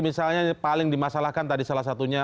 misalnya paling dimasalahkan tadi salah satunya